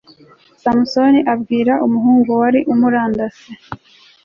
samusoni abwira umuhungu wari umurandase